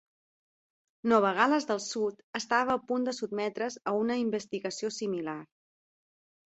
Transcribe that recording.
Nova Gal·les del Sud estava a punt de sotmetre's a una investigació similar.